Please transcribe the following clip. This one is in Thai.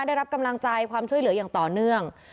ได้รับกำลังใจความช่วยเหลืออย่างต่อเนื่อง